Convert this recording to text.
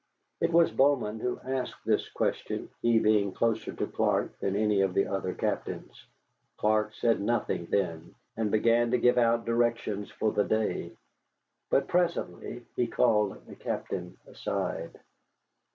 It was Bowman who asked this question, he being closer to Clark than any of the other captains. Clark said nothing then, and began to give out directions for the day. But presently he called the Captain aside.